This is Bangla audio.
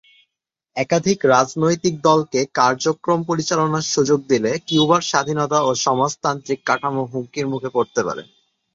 একাধিক রাজনৈতিক দলকে কার্যক্রম পরিচালনার সুযোগ দিলে কিউবার স্বাধীনতা ও সমাজতান্ত্রিক কাঠামো হুমকির মুখে পড়তে পারে।